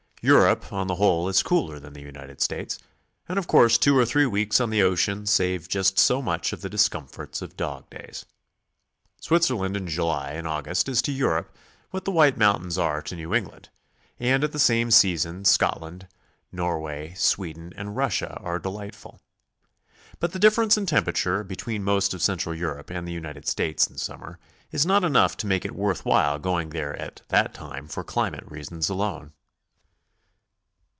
Europe on the whole is cooler than the United States, and of course two or three weeks on the ocean save just so much of the discomforts of dog days. Switzerland in July and August is to Europe what the White Mountains are to New England, and at the same season Scotland, Norway, Sweden, and Russia are delightful. But the difference in temperature between most of Central Europe and the United States in summer is not enough to make it worth while going there at that time for climatic reasons alone.